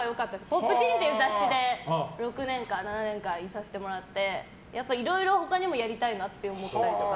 「Ｐｏｐｔｅｅｎ」という雑誌で６年か７年間いさせてもらってやっぱりいろいろ他にもやりたいなって思ったりとか。